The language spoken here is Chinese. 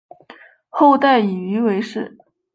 后代以鱼为氏。